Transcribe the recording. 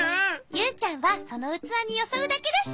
ユウちゃんはそのうつわによそうだけだし。